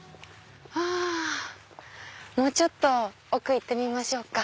あもうちょっと奥行ってみましょうか。